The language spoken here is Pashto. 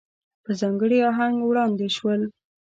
په ځانګړي آهنګ وړاندې شول.